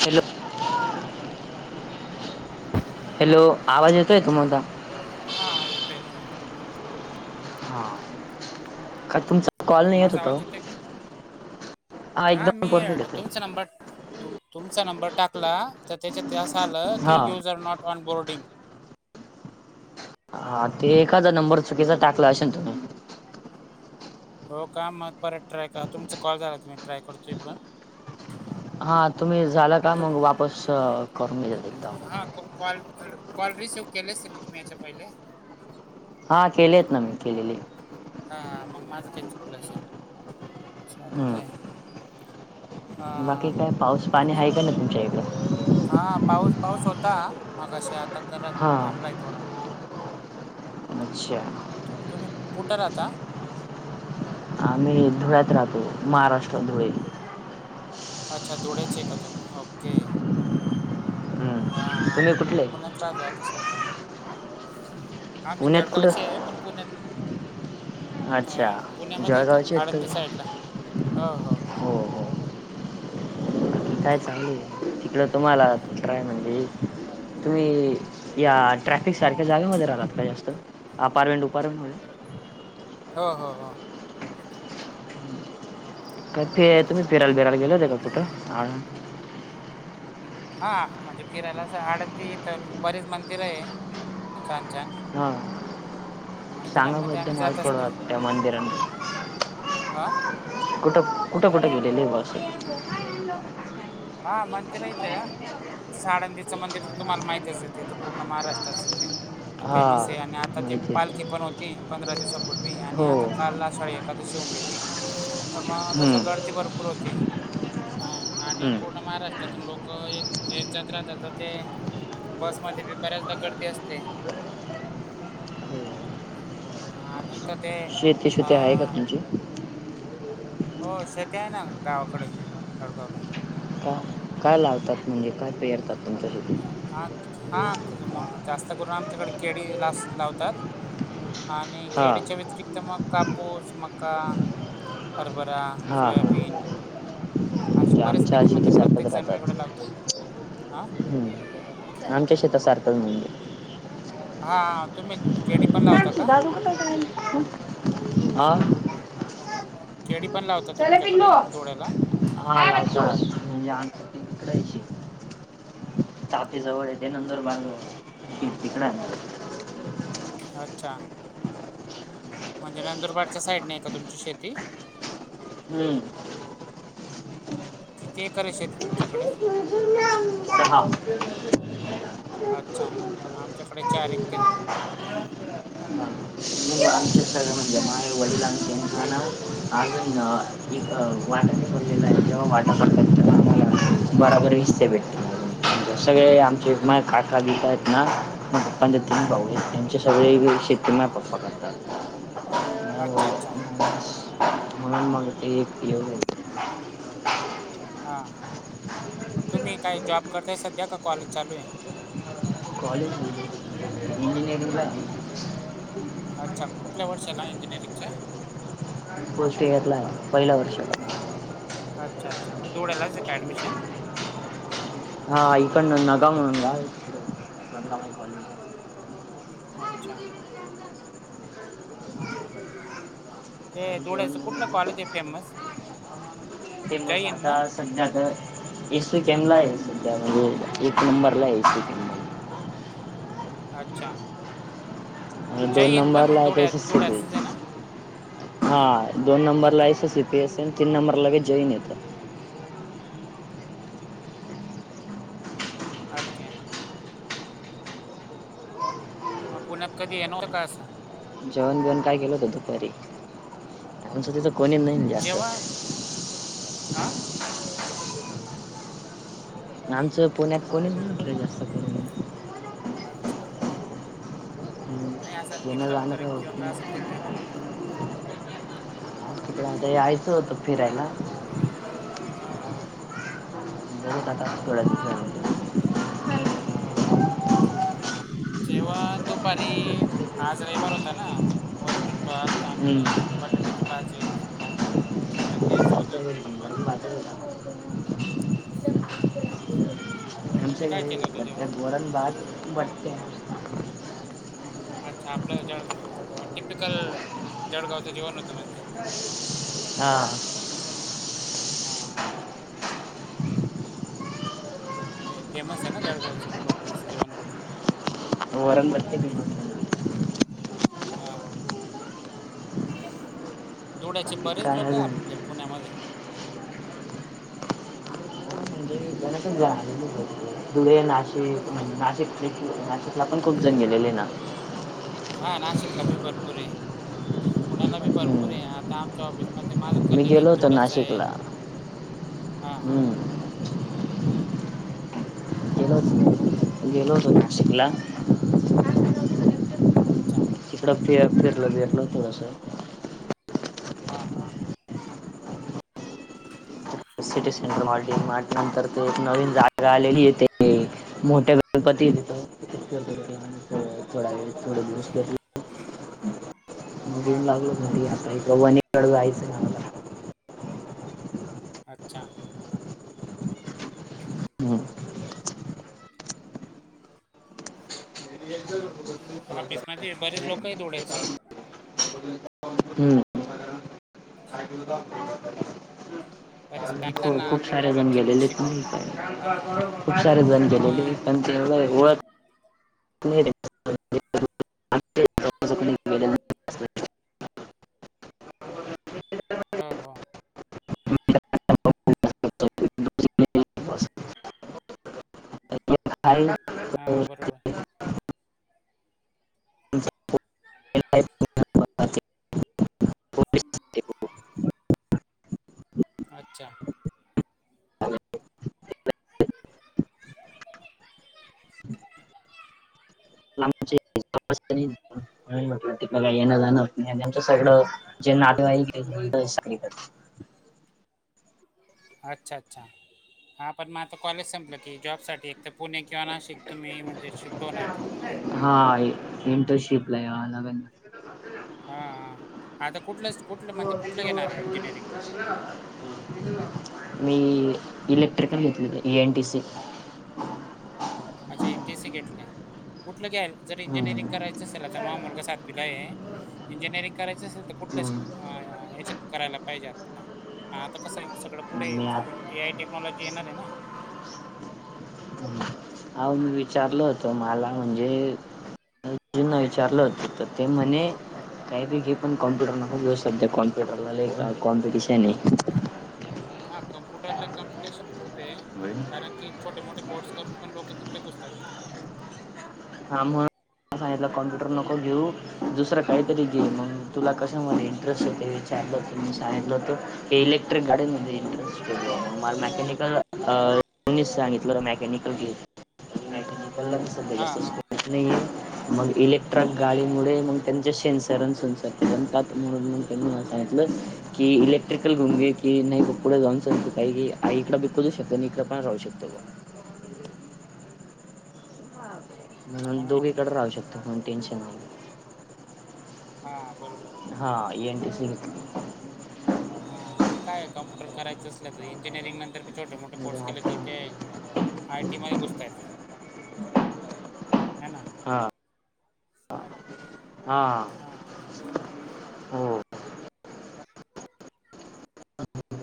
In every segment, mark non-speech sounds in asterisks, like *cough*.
Hello. Hello. आवाज येत तोय माझा? हा. येतोय येतोय. हा का तुमचा कॉल नाही येत माझा होता ओ? आवाच येतोय का तुम्हाला? हा एकदम मी परफेक्ट तुमचा येतोय नंबर तुम, तुमचा नंबर टाकला तर त्याच्यात ते असं आलं, की हा user are not onboarding. हा ते एखादा नंबर चुकीचा टाकला असेना तु. हो का. मग परत ट्राय करा तुमचा कॉल झाला की, मी ट्राय करतो इकडून. हा तुम्ही झाला का तुम मग वापस करून घेईल एकदा मग. ह कॉ कॉल कॉल रिसीव्ह केले असेल ना तुम्ही याच्या पहिले. हा केलेत ना मी. केलेले आहे. हा मग माझं काही चुकलं असेल. चालतय. हम्म बाकी काय पाऊस पाणी आहे का नाही तुमच्या इकडं? हा पाऊस पाऊस होता मगाशी. आता जरा हा थांबलाय थोडा. अच्छा. तुम्ही कुठं राहता? आम्ही धुळ्यात राहतो. महाराष्ट्र धुळे. अच्छा धुळेच आहे का तुम्ही. ओके. हम्म हा तुम्ही आम्ही कुठले पुण्यात राहतो आता सध्या. आम्ही पुण्यात कुठं जळगावचे. पण पुण्यात अच्छा पुण्यामध्ये ईथं जळगावचे आहेत आळंदी तुम्ही साईडला हो हो. काय चांगलं आहे. तुम्हाला ट्राय करा म्हणलीत. तुम्ही या ट्रॅफिक सारख्या जागेमध्ये राहीलात का जास्त? अपारमेंट बीपारमेंट मध्ये नाही. हो-हो, हा. क ते तुम्ही फिरायला बिरायला गेले होते का कुठं, आ? हा म्हणजे फिरायला असं आळंदीत बरेच मंदिर ये छान- छान. हा सांगा मंदिरांमध्ये बरं आम्ही मला जात थोडं त्या मंदिरा बद्धल आ, कुठं -कुठं, कुठे गेलेले *unintelligible* म अशी हा मंदिर आहे इथं. तेच आळंदीचं मंदिर तुम्हाला माहितचं ये, ते तर पूर्ण महाराष्ट्राचं ते. हां फेमस ये आणि आता ते माहिती आहे पालखी पण होती, पंधरा दिवसापूर्वी आणि हो आता काल आषाढीएक दशी होऊन गेली, त मग हम्म, तसं गर्दी भरपूर होती, हं आणि हम्म. पुर्ण महाराष्ट्रातून लोकं येत-जात राहतात त ते बसमध्ये बी बऱ्याचदा गर्दी असते. हो, हा आणि इथं ते शेती, अ शेती आहे का तुमची? हो शेती आहे ना गावाकडे खेडगाव, गावला. का काय लावतात म्हणजे काय हम्म. पेरतात तुमच्या तिथं? हा- हा जास्त करून आमच्याकडे केळी लावतात. आणि केळीच्या, हां व्यतिरिक्त मग कापूस, मक्का हरबरा, सोयाबीन असे त्या बरेच आमच्या पिकं आज्जी इथे म्हणजे सातत प्रत्येक जण राहतात, वेगळे लावता हा हम्म. आमच्या शेता सारखंच म्हणजे. हा, तुम्ही केळी पण लावता क? दादु कुठे आहे? आ, केळी पण लावता चला पिल्लू तुमच्याकडे धुळ्यात? हा म्हणजे आज्जी, आमच तिकडंच ये. तापी जवळ येते, ते नंदुरबार जवळ तिकडं आहे. अच्छा, म्हणजे नंदुरबारच्या साईडने आहे का तुमची शेती? हम्म, किती एकर ये शेती तुमच्याकडे? दहा. अच्छा, आमच्याकडे चार एकर ये. हा आमचे सगळे म्हणजे माझा वडिलांचे भाऊ आहे ना आशे मिळुन दाहा. *inaudible* सगळे आमचे माये काका, बिया आहेत ना, माझ्या पप्पाना तीन भाऊ ये. आमचे सगळे शती हां माये हां पप्पा करतात. माझ्या अच्छा- अच्छा. वडिलांना- म्हणून एक *unintelligible* हा- हा, हां मग तुम्ही काय जॉब करताय सध्या का कॉलेज चालू आहे? कॉलेज चालु इंजिनिअरिंग ला ये मी. अच्छा, कुठंल्या वर्षा ला इंजिनिअरिंगच्या? फर्स्ट इयर ला आहे, पहिल्या वर्षा. अच्छा अच्छा मग धूळ्यालाच ये का ॲडमिशन हा इकड नगाव म्हणून गाव ये. तिकड *unintelligible* कॉलेज अच्छा हा हा, ते धुळ्याच कुठलं जेवण कॉलेज ये फेमस ते जय मग हिंद ना आताच सध्या तर ए सी केम ला ये. सध्या म्हणजे एक नंबरला ये ए सी केम अच्छा अ जय दोन हिंद पण नंबरला हाय. धुळ्या तेसं धुळ्याचंच आहे ना सगळीच हा दोन नंबरला S S C P S, तीन नंबरला लगेच जैन येतं. ओके म पुण्यात कधी येणारव काय असं जेवण बीवण काय केलं होत दुपारी, आपण स्वतःच जेवण आं आमचं पुण्यात कोणी नाय म्हटलं जास्त करूनं अच्छा हम्म. नाय असं मित्र वगैरे, किंवा काय असं फिरणे म्हणून की मंग ते यायचं होत फिरायला. हा हा बघुक आता थोड्या दिवसानंतर हां जेवण दुपारी, आज रयवार होता ना, वरण, भात त आणि हम्म. बटाट्याची भाजी, चपाती असं होत आमच्या घरी दुपारी. वरण भातच होता आमच्या तुम्ही काय घरी केलं होतं पण ते जेवण वरण भात बट्टे अच्छा, आपलं जळ टिपिकल जळगावचं जेवण होतं म्हणजे हा हा हा ते फेमस ये ना जळगावचं, भट्टीचं जेवण म्हटलं की, वरण बट्टी फेमस ये. हा धुळ्यात चे बरेच काय लोक य, अजून आपले पुण्यामध्ये म्हणजे *unintelligible* धुळे, नाशिक हां म्हणजे, नाशिक, नाशिकला पण खूप जण गेलेले ना हा नाशिकला बी भरपूर ये. पुण्याला बी हम्म. भरपूर ये, आता आमच्या ऑफिसमध्ये माझ मी कलीक एक गेलो होतो तुड्याचा हाय, नाशिकला हा हा हम्म. गेलो होतो गेलो होतो नाशिकला अच्छा तिकड फे फिरलो बिरलो थोडसं हा हा सिटी सेंटर मार्ट ये, मार्टनंतर ते एक नवीन जागा आलेली ये ते मोठ्या गणपती ये तिथं, *unintelligible* थोडा वेळ, थोडे दिवसं घेतलं मग हा येऊन हा लागलो घरी आता, इकडं वनीकड जायचंय ना अच्छा *unintelligible* *unintelligible* एक जर व ऑफिस मध्ये बरेच लोक आहे तोडायचे. हम्म. *inaudible* बरेच हो ना खूप सारे जळगावला जण बी शिक गेलेले शिक आहेत नाही हा का हा खूप सारे जण तर गेलेले मग पण तेव्हा *unintelligible* *inaudible* कोणी गेलेलं नाही. *inaudible* हा हा. *inaudible* *unintelligible* हा *unintelligible* ना. हां बरोबर. आहे, तो *inaudible* *inaudible* अच्छा. *inaudible* म्हट *inaudible* *unintelligible* बघा येणं-जाणं नाही त्यांचं सगळं जे नातेवाईक *unintelligible* *inaudible* *inaudible* अच्छा अच्छा. हा पण मग आता कॉलेज संपलं की जॉब साठी एक तर पुणे किंवा नाशिक. ते मे म्हणजे शिकवणार तित नव. हा इंटर्नशिपला आला. हा हा आता कुठलंच कुठ *inaudible* मी इलेक्ट्रिकल घेतले ए एनटीसी. अच्छा एनटीसी घेतलय. कुठलं घ्याय जर इंजिनिअरिंग हम्म करायच असेल आता मा मुलगा सातिला आहे इंजिनिअरिंग करायचं असेल तर कुठल अ हम्म हच्यात करायला पाहिजे आता. आता कसं आहे सगळं पुढे मी आत चालून ए आय टेक्नॉलॉजी येणार आहे ना. हा मी विचारलं होतं मला म्हणजे *unintelligible* विचारलं होत तर ते म्हणे काहीपैकी हे पण कॉमपुटर नको *unintelligible* खूप शब कॉम्प्युटरला कॉम्पिटिशन आहे‌. हा कम्प्युटरला कॉम्पिटिशन खूप आहे. होय कारण की छोटे-मोठे कोर्स करून पण लोक तिकडे घुसतात ना. हां म्हणून सांगितलं कॉम्प्युटर नको घेऊ. दुसरं काहीतरी घे मग तुला कशामध्ये इंटरेस्ट आहे ते विचारलं ती सांगितलं होत ते इलेक्ट्रिक मध्ये इंटरेस्ट मला मॅकॅनिकल कोणी सांगितलं मॅकॅनिकल घे. *inaudible* हा हा बचत नाहीये. मग इलेक्ट्रिक गाडीमुळे मग त्यांच्या सेन्सरनणून सेन्सर *unintelligible* *inaudible* सांगितले. की इलेक्ट्रिकल रुमे की नाही पप पुढे जाऊन चालत काही की इकड बिकूच शकतो आणि इकडे पण राहू शकतो. *inaudible* म्हणून दोघेकडे राहु शकता कोण टेन्शन नाही. हा बरोबर. हा एन टिसी. हा आणि काय कम्प्युटर करायचं असल तर इंजिनिअरिंग नंतर बी छट-मोठे म्हणजे कोर्स केले आता तरि ते आय टी मध्ये घुसतायच, ह ना? हां हा हा हो.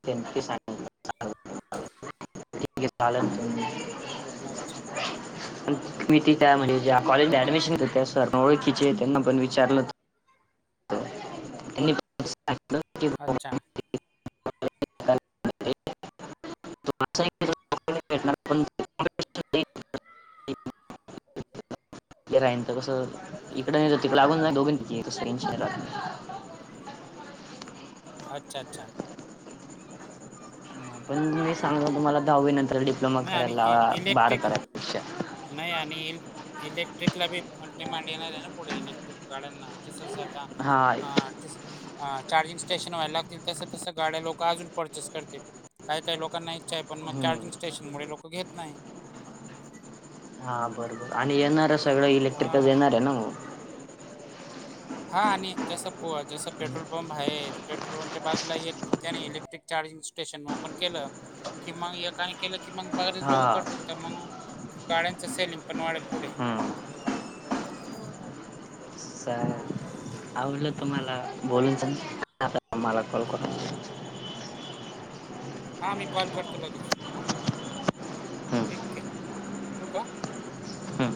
तसा त स *unintelligible* अच्छा. हा. प मी ती काय म्हणजे ज्या कॉलेज ऍडमिशन कर त्या सरन ओळखीचे त्यांना पण विचारलंत तूला कोणी सांगितल.? अच्छा. तुम *unintelligible* ते *inaudible* रा तर कसं, इकडे नाही तिकडं *unintelligible* लागून जाईनच दोघ त अच्छा अच्छा. हा, पण मी सांगू तुम्हाला दहावी नंतर डिप्लोमा नाही करायला आणि इ ला बार इलेक्ट्रिक कराय नाही आणि, इ इलेक्ट्रिकला बी पण बह डिमांड येणार आहे ना पुढे इलेक्ट्रिक गाड्यांना. जसच आता, हा अ हा चार्जिंग स्टेशन व्हायला लागतील तस तसं गाड्या लोकं अजून परचेस करतील,, काही काही लोकांना पण मग हम्म. चार्जिंग स्टेशन मुळे लोकं घेत नाही. हा बरोबर, आणि येणारं सगळं इलेक्ट्रिकच हां येणारे ना मग. हा आणि जसं, पो जसं पेट्रोल पंप आहे, पेट्रोल पंपच्या बाजूला एक त्याने इलेक्ट्रिक चार्जिंग स्टेशन ओपन केलं, की मग ए केलं की मग,, बागरेच हा लोकं करतील तर मग गाड्यांच सेलिंग पण वाढेल पुढे. हम्म चालेल हां. आवडलं तुम्हाला,, बोलून जा तूम्हाला मला कॉल करून हां मी कॉल करतो लगेच,, हां हम्म ठीक आहे ठू का? हम्म